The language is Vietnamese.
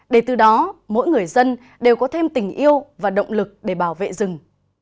để từ đó mỗi người dân đều có thêm tình yêu và động lực để bảo vệ rừng